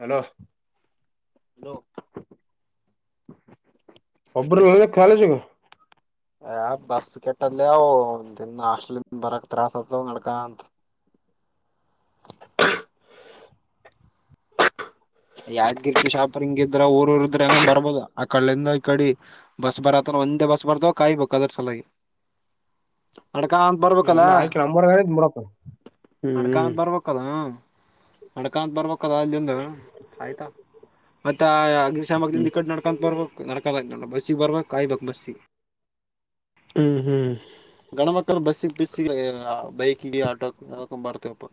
Hello hello ಅಪ್ರೂ ಕಾಲೇಜಿಗ. ಯ ಬಸ್ ಕೆಟ್ಟಲ್ಲಿವು ದಿನ ಹಾಸ್ಟಲಿಂದ ಬರಕ್ಕೆ ತ್ರಾಸ ಆತ ನಡಕಂತ. [inaudible] ಯಾದಗಿರ್ಟ್ಟು ಶಾಪರಿಂಗ್ ಇದ್ರ ಊರ್ ಊರ್ ಇದ್ರೆ ಹೆಂಗೋ ಬರ್ಬೋದು ಆ ಕಡೆಂದ ಈ ಕಡೆ ಬಸ್ ಬರತರ. ಒಂದೇ ಬಸ್ ಬರ್ದ ಕಾಯ್ಬೇಕ ಅದ್ರ ಸಲುವಾಗಿ. ನೆಡ್ಕಾಂ ಅಂತ ಬರ್ಬೇಕಲ್ಲ ಇನ್ನು ಆಕಿ ನಂಬರ್ ಹೇಳಿದ್ ಬಿಡಪ್ಪ ನೆಡ್ಕಾಂ ಹ್ಮ್ ಅಂತ ಬರ್ಬೇಕಲ್ಲ. ನೆಡ್ಕಾಂತ ಬರ್ಬೇಕದ ಅಲ್ಲಿಂದ. ಮತ್ತೆ ಆ ಅ ಅಗ್ನಿಶಾಮಕ ಹ್ಮ್ ನಿಕಟ್ ನಡ್ಕೊ ಬರ್ಬೇಕು. ನಡಕದಾಗ ನೋ ಬಸ್ಸಿಗೆ ಬರ್ಬೇಕ್ ಕಾಯ್ಬೇಕ ಬಸ್ಸಿಗೆ. ಹ್ಮ್ ಹ್ಮ್ ಬಸ್ಸ ಬಿಸಿಗೆ ಬೈಕ್ ಆಟೋಕೊಂಡ್ ಬರ್ತೇವಪ್ಪ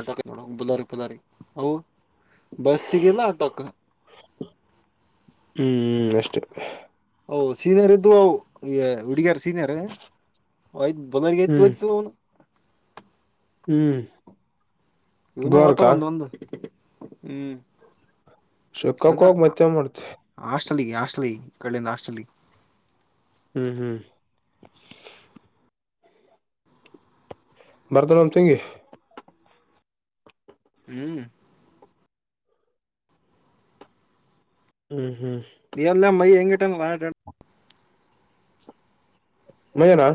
ಆಟೋಕ ನೋಡ ಬುಲಾರಿ ಬುಲಾರಿ. ಹೌ ಬಸ್ಗೆಲ್ಲ ಆಟೋಕ. ಹ್ಮ್ ಅಷ್ಟೇ ಓ ಸೀನಿಯರ್ ಇದವವುಹು ಹುಡುಗಿಯರು ಸೀನರ್. ಹ್ಮ್ [unintelligible] ಹ್ಮ್ ಇವನು ಗೋರ್ಕ ಓ್ತವ್ ಒಂದು ಒಂದು ಹ್ಮ್. ಸಕ್ಕ ಕಾಕೋ ಮತ್ತೆ ಮಾಡತಿ. ಹಲಿ ಹಾಸ್ಟಲಿ ಕಡೆಯಿಂದ ಹಾಸ್ಟಲಿ. ಹ್ಮ್ ಹ್ಮ್ ಬರ್ದನಂ ತಂಗಿ. ಹ್ಮ್ ಹ್ಮ್ ನೀ ಎಲ್ಲ ಮೈ ಹೆಂಗಟಾನ ನ ಮೆನಾ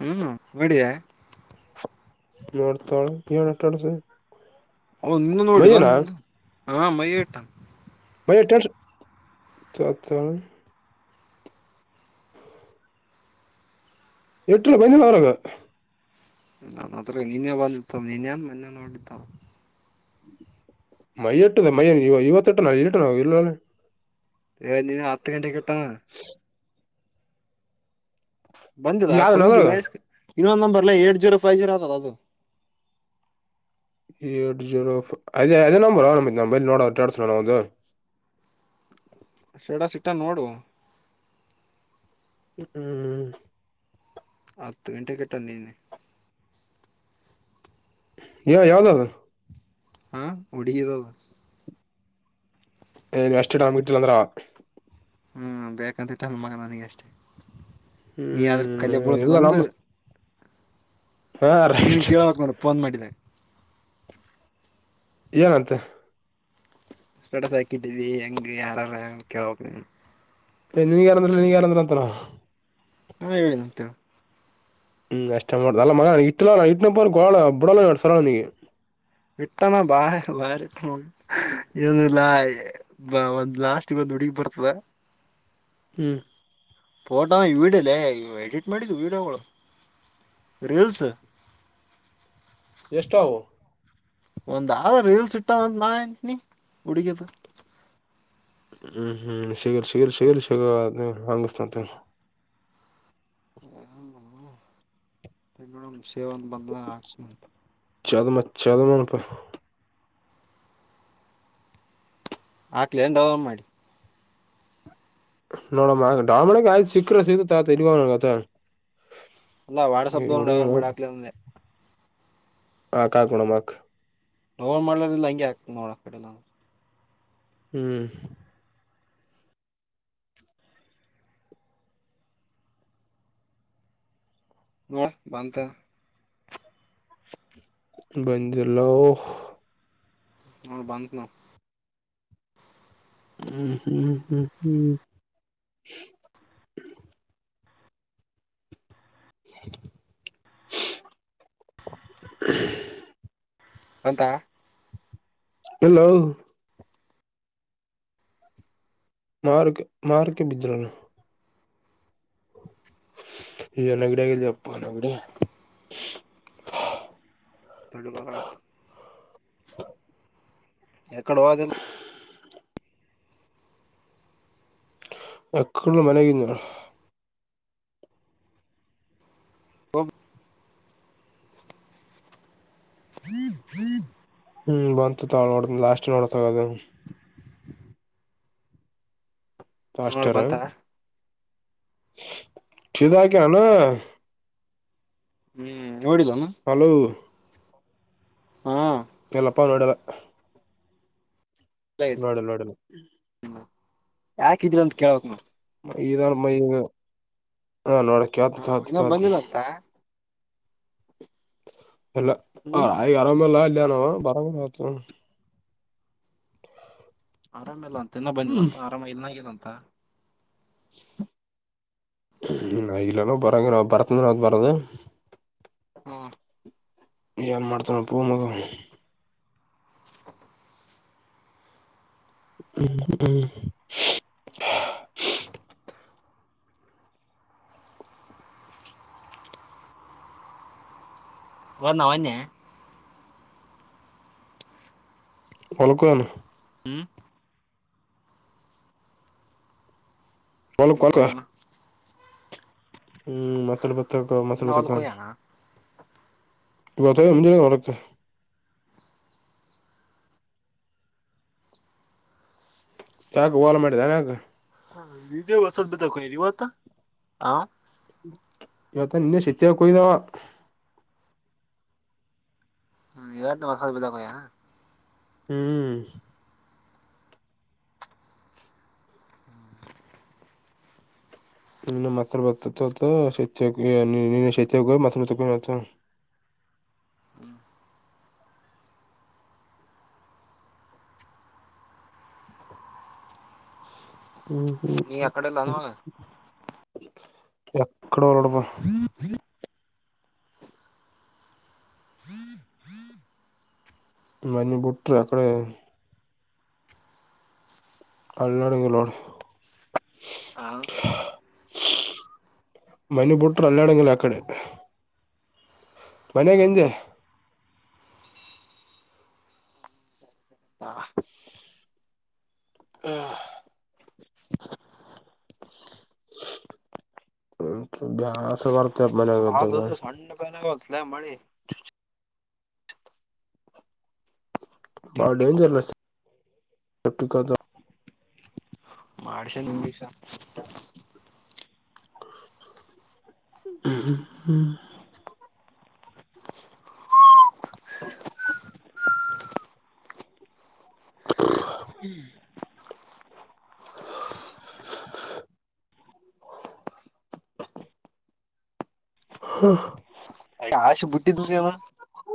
ಹ್ಮ್ ಬಿಡಿಯ ನರ್ತಳ ಕ ನಟಳಸ ಅವ ನಿನ್ನ ನೋಡಿಲ್ಲ ನಿ ಹಾ ಮೈ ಟ ಮೆತ ಎಟಲ ಪೈಂದಿನ ಅವರಗ ನ ಮಾತ್ರ ನೀನೇ ಬಂದಿತ್ತವ ನೀನ್ೇನ್ ಮೊನ್ನೆ ನೋಡ್ಡಿತ್ತಾವ ಮೈಟ್ಟದ ಮೈ ಇವತ್ತುೆಟ್ಟ ನಾ ಇಟ ನ ಇ ನಾನ ನೀ ಹತ್ತು ಗಂಟೆಗೆ ಕಟ್ಟಣ ಬಂದದಾ ಯಾವ್ದನ ಕೊಂಗಿ ಅದ್ರಾಗ ಮಳ್ಸ್ ಇನ್ನೊಂದು ನಂಬರ್ ಅಲ್ಲ ಏಟ್ ಜೀರೋ ಫೈವ್ ಜೀರೋ ಅತದ ಅದು ಏಟ್ ಜೀರೋ ಅದೇ ಅದೇ ನಂಬರ್ ಆರಾಮ್ ನ ನೋಡೋಡ್ಸರ ನಾವದು ಶಡಾಸಿಟ್ಟಾ ನೋಡು ಹ್ಮ್ ಆತ್ತು ಗಂಟ ಕೆಟ್ಟಣ ನೀನ್ನೆ ಯ ಯಾದ ಆದು ಹಾ ಒಡಿಗದ ಷ್ಟ ಆಮ ಲಂದ್ರಾ ಹ್ಮ್ ಬೇಕಂತ ಇಟ್ಟ ಅನ್ ಮಗ ನನಗ ಅಷ್ಟೇ ನೀ ಯಾದ್ರ ಹ್ಮ್ ಇಲ್ಲ ಕಲೆಬಳುದಂದು ನಂಬ ಹಾ ನೀನ್ ರೈಟ್ ಕೇಳಳ್ ಹಕ್ ಮಾಡ ಫೋನ್ ಮಾಡಿದ್ದೇನೆ ಏನಂತೆ ಸ್ಟೇಟಸ್ ಹಾಕಿಟ್ಟಿದಿ ಹೆಂಗ ಯಾರಾರ ಕೇಳಕ್ ನೀ ಕರಂದಲ್ಲ ನೀ ಕರಂದ ಅತ್ತನ ನ ಹೇಳ ನಂತ ಹ್ಮ್ ಕಷ್ಟ ಮಾಡ ಅಲ್ಲ ಮ ಇಲ ಇಟ್ಟನ ಕೊಳ ಬಿಡಲ್ಲರಿ ವಿಟ್ಟಣ ಬಾ ಬಾರ ಏನುಲ್ಲ ಒಂದು ಲಾಸ್ ಒಂದು ಉಡಿ ಪರ್ತದ ಹ್ಮ್ ಫೋಟೋ ಈ ವಿಡಿಯೋಲ್ಲ ಎಡಿಟ್ ಮಾಡಿದ್ದು ವಿಡಿಯೋಗಳು ರೀಲ್ಸ್ ಜ್ಯೇಷ್ಟ್ಠ ಒಂದ ರೀಲ್ ಸಿಟ್ಟ ನಾಂತನ ಹುಡುಗದ ಹ್ಮ್ ಹ್ಮ್ ಶೀಗರ್ ಶೀಗರ್ ಶಗರ್ ಶೀಗ ಹಂಗಸ್ತಂತ ಮೇಡಮ ಸೇವನ್ ಬಂದಾಗ ಹಾಕ್ನಂತ ಚದ ಮ ಚದ ಮಪ ಆಕ್ಲನ್ ಡವಲ ಮಾಡಿ ನೋಡಮ್ಮ ಡಾಮಣ ಆಯ್ತ್ ಸಿಕ್ಕ್ರ ಸಿಗ್ಗತ್ ಆಯತ ಇಲ್ವತ ಅಲ್ಲಾ ವಾಡ್ಸಬ್ ಮಾಡಾಕ್ಂದೆ ಆ ಕಾ ಗುಣಮಕ್ ನೋ ಮಾಡಲಿಲ್ಲ ಹಂಗೆ ಆಕ್ತ ನೋಡಕ್ಡ ನವು ಹ್ಮ್ ಹ ಬಂತ ಬಂದಿಲೋ ಹ ಬಂತ ನ ಹ್ಮ್ ಹ್ಮ್ ಹ್ಮ್ ಹ್ಮ್ [inaudible] ಅಂತ ಹಲೋ ಮಾರಕ್ಕೆ ಮಾರಕ್ಕೆ ಬಿದ್ದ್ರನು ನೆಗಡಿ ಆಗಿದಿಯಪ್ಪ ನನಗೆ [inaudible] ಏಕಡೆ ಹೋಗಿದೆ ಎಕ್ಕಳು ಮನೆಯಿಂದ ಹ ಹ್ಮ್ ಬಂತು ನೋಡ ಲಾಸ್ಟ್ ನೋಡತಗದು ಲಾಸ್ಟ ನೋಡ್ ಬಂತ ಸಿಗೋಕೆ ಏನು ಹ್ಮ್ ನೋಡಿಲನು ಹಲೋ ಎಲ್ಲಪ್ಪ ನೋಡಲ್ಲ ನೋಡಲ್ಲ ನೋಡಲ್ಲ ಯಾಕಿದೀರ ಅಂತ ಕೇಳ್ಬಕ್ ನಾವವು ಇದ ಮೈ ಹ ನೋಡ ಹ ಕೇಳಿತಿ ಇನ್ನೊ ಕೇಳಿತಿಕೇಳುತಿ ಬಂದಿಲ್ಲ ಅಂತ ಎಲ್ಲ ಆ ಹ್ಮ್ ಆ ಆರಾಮಿಲ್ಲ ಬರೋಣ ತಕೋರಿ ಆರಾಮ ಇಲ್ಲ ಅಂತ ಇನ್ನ ಬಂದಿಲ್ಲ ಅಂತ ಆರಾಮ ಇಲ್ನಂಗಲ್ಲ ಅಂತ ಇಗಲ್ಲಲ್ಲ ಬರಂಗ ನಾವ ಬರ್ತಂದ್ರ ಅವದ ಬರದು ಹ್ಮ ಏನ್ ಮಾಡ್ತಾನಪ್ಪೂ [inaudible] ಹ್ಮ್ ಹ್ಮ್ ಹೋದ್ನ ಮೊನ್ನೆ ಹೊಲಕ್ಕೆ ಹೋಗನು ಹ್ಮ್ ಹೊಲ್ಕ ಹೊಲಕ್ಕೆ ಹೊಲ್ಕ ಹೋಗ್ಯಾನು ಹ್ಮ್ ಮಸಲ್ ಬತಕ ಮಸಲ್ ಇನ್ನ ಬಸ ಹೊಲಕ್ ಕಣೆ ಹೋಗ್ಯಾನ ಇವತ್ತು ಏನು ಬಂದಿಲ್ಲ ಹೊರಕೆ ಯಾಕೆ ಹೋಗಳೇನು ಮಾಡಿದೀಯ ಯಾಕೆ ಇವತ್ತು ಹಾ ಇವತ್ತು ಇನ್ನು ಹೋಗಿಲ್ಲ ಅವ [unintelligible] ಹ್ಮ್ ನಿನ್ನ ಮತ್ತ ಬರ್ತ [unintelligible] ಹ್ಮ್ ಹ್ಮ್ ನೀ ಅಕ್ಕಡೆಲ್ಲಾನಳ ಎಕಡು ಹೋಗಳಪ್ಪ [inaudible] ಮನೆ ಬುಟ್ರ ಯಾವಕಡೆ ಅಲ್ಲದಾಡಿಲ್ಲ ನೋಡು ಮನೆ ಬುಟ್ರ ಅಲ್ಲಾಡಗಿಲ್ಲ ಆ ಕಡೆ ಮನೆಹಿಂದೆ ಹ ಬ್ಯಾಸರ ಬರ್ತಪ್ಪ ಮನ್ಯಾಗ ಇದ್ದಾಗ [unintelligible] ಬಾರಿ ತಿಂಡಿ ಡೇಜರ್ ಕೊಪ್ಪ ಮಾಡಿಷನು ಹ್ಮ ಹ್ಮ್ [unintelligible]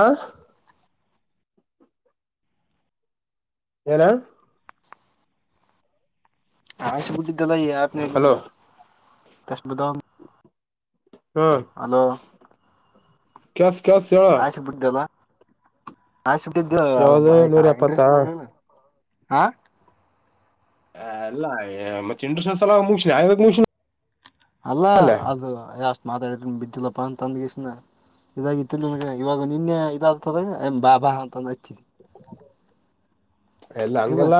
ಆ ಏನ ಹಾಷ ಬುದ್ಧಿದಲ್ಲ ಹಲೋ ಅಷ್ಟು ಬಿದ್ದವ ಹಾ ಹಲೋ ಕ ಸ ಕ ಸಳ [unintelligible] ಹಾ -ಶಿ- ಯಾವ್ದು ನೂರ ಎಪ್ಪತ್ತಾ ಇಂಟ್ರಸ್ಟ- ಹಾ ಲ್ಲ ಮತ್ತೆ ಇಂಡ್ರಸ್ನ್ಸ್ಲ ಮುಗಿನ ಯಾಗ ಮುಗಿನ [unintelligible] ಅಲ್ಲಾ ಅದು ಯಷ್ಟ್ ಮಾತಾಡಿದ್ರ ಬಿದ್ದಿಲ್ಲಪ್ಪಾ ಅಂತ ಅಂದ ಇಷ್ಟನ ಇದಾಗಿತ್ತು ನನ್ಗೆ ಇವಾಗ ನಿನ್ನೆ ಇದಾದತದ -ಎ ಬಾಬಾ ಅಂತಂದು ಹಚ್ಚಿ ಎಲ್ಲ ಹಂಗಲ್ಲ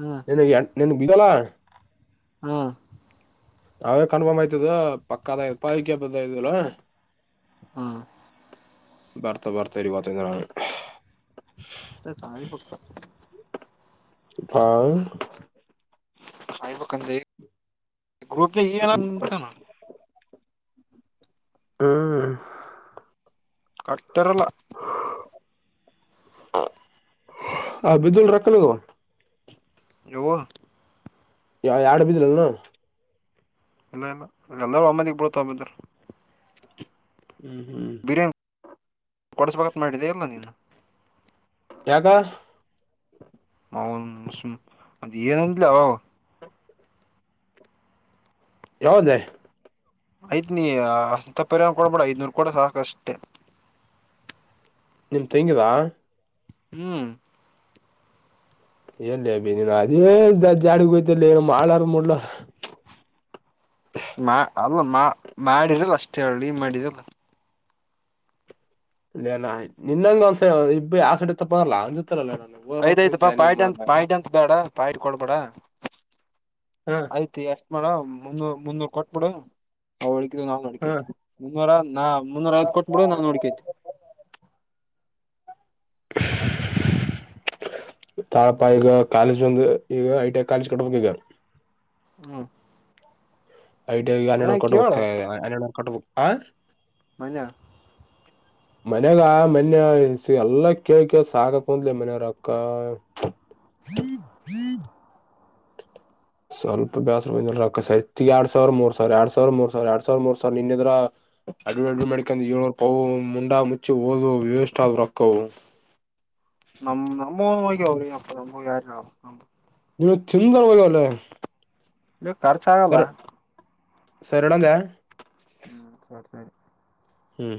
ಹ್ಮ ನನ್ ನನ್ ಬಿದ್ದಲ್ಲ. ಹಾ ನಾವೇ ಕನ್ಫರ್ಮ್ ಆಯ್ತದ ಪಕ್ಕದ ಪಕ್ಕೆ- ಬ- ಇದಲ್ಲ ಹ್ಮ್ ಭರ್ತಾ ಭರ್ತಾ ಇರಿ ಪತಂದ- ನೆ- ಅ ಸಾಗಿ ಪಕ್ಕ [unintelligible] ಹಾ-ಹ್ ಪಕ ಗ್ರಪ ಇ ನ [unintelligible] ಹ್ಮ್ ಕಟ್ಟರಲ್ಲ ಹ- ಬಜಲು ರಕ್ಕಲುಗ. ಯವ ಯ- ಆಡು ಬಜಲಲ್ಲ ನು. ಇಲ್ಲ ಇಲ್ಲ ಎಲ್ಲರೂ ಒಮ್ಮದಗ್ ಬಿಡತ ಹಬಿದರಿ. ಹ್ಮ್- ಹ್ಮ್ ಕೊಡ್ಸ್ಬೇಕಕ್ ಮಾಡಿದ್ದ ಇಲ್ಲ ನೀನು. ಯಾಕಾ ಹೌ-ನ್ -ಅದ ಏನಂದಿಲ್ ಯಾವ್ದೇ. ಆಯ್ತ್ -ನೀ -ಅ- ಪರಿ ಕೊಡಬೇಡ ಐದನೂರು ಕೂಡ ಸಾಕ ಅಷ್ಟೆ. ನಿಮ್ ತೆಂಗಿದಾ ಹ್ಮ್- ಎಲ್ಲಿ ಬನು ಅದೇ ಜಾಡ್ ಹೋಯ್ತಲ್ಲ ಏನು ಮಾಡಳಾರಡ್ಲ. ಮಾ -ಅಲ್ಲ- ಮಾ- ಮಾಡಿದಲ್ಲ ಅಷ್ಟ ಹೇಳಿ ಮಾಡಿದಲ್ಲ. ಇಲ್ಲಲ್ಲ ನಿನ್ನಂಗ ಒಂದ್ ಇಬ್ -ಯ -ಸಡಿ ತಪ್ಪಲ್ಲ- ಅ- ಆಯ್ತಾಯಯ್ತಪ್ಪಾ ಪಾಯಡ್ ಅಂತತ್ ಪಾಯಡ್ ಅಂತ ಬೇಡ ಪಾಯಿಡ್ ಕೊಡ್ಬೇಡ. ಹಾ ಆಯ್ತು ಎಷ್ಟ ಮಾಡ ಮುನ್ನೂ ಮುನ್ನೂರು ಕೊಟ್ಬಿಡು ಅವಳಿಗೆ. ನಾ- ನೋಡ್ಕ ಹಾ ಮುನ್ನೂರ ನಾ ಮುನ್ನೂರ ಐದ್ ಕೊಟ್ ಬಿಡು ನ-ನೋಡ್ಕುನಿ. ತಾಳಪ್ಪ ಈಗ ಕಾಲೇಜ್ ಒಂದು [inaudible] ಈ- ಐಟ ಕಾಲ ಕಡಗಾರ್ ಹ್ಮ್ ಐಟ ಹನ್ನೋ ಮನ್ಯಾಗ ಕೊಟ್ಟ ಕೇಳ ಹೋಗ್ತ ಹನ ಕೊಟ್ಟ -ಹಾ- ಮನ್ನ ಮನ್ಯಾಗ ಮನ್ಯ ಎಲ್ಲ ಕೇಳ್ ಸಾಕಕ್ ಕುಂದ್ಲಿ ಮನೆಯವ್ರ ಅಕ್ಕ. ಹ್ಮ - [inaudible] ಹ್ಮ್ ಯ್ [inaudible] ಸ್ವಲ್ಪ ಬೇಸ್ರ ಎರಡ್ ಸಾವಿರ ಮೂರ್ ಸಾವಿರ ಎರಡ್ ಸಾವಿರ ಮೂರ್ ಸಾವಿರ ಎರಡ್ ಸಾವರ ಮೂರ್ ಸಾವಿರ ನಿನ್ನಿದ. ಅಡು ಅಡು ಮಾಡಡಕೊಂಡ ಏಳೋರು ಪವು ಮುಂಡಾ ಮುಚ್ಚಿ ಓದ ವಿವಷ್ಟ ರೊಕ್ಕವು [unintelligible] ನ- ನಮ್ಮ ನೋ- ನ -ಯಾರ ಇವತ್ತು ಚಂದ ವಗಲ್ಲೆ. ಇ- ಖರ್ಚ ಆಗಲ್ಲ. ಸರ್ಣಂಗ ಹ್ಮ್ -ಸರಿ ಸರಿ ಹ್ಮ್